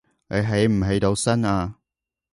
你起唔起到身呀